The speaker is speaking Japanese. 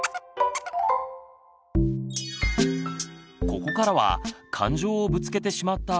ここからは感情をぶつけてしまった